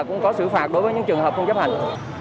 cũng có xử phạt đối với những trường hợp không chấp hành